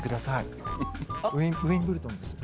ウィンブルドンですよ。